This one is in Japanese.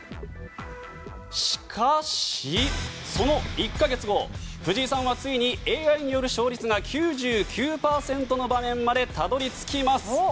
しかし、その１か月後藤井さんはついにＡＩによる勝率が９９％の場面までたどり着きます。